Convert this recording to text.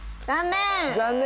残念！